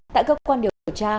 tại cơ quan điều tra